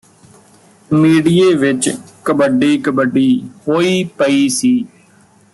ਮੀਡੀਏ ਵਿਚ ਕਬੱਡੀ ਕਬੱਡੀ ਹੋਈ ਪਈ ਸੀ